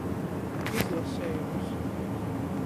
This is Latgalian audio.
Izlasejums.